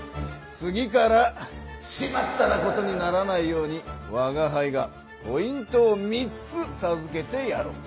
次から「しまった！」なことにならないようにわがはいがポイントを３つさずけてやろう。